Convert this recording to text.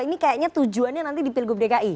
ini kayaknya tujuannya nanti di pilgub dki